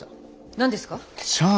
何ですか？